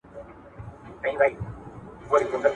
که د سهار ورک ماښام کور ته راسي ورک نه دئ.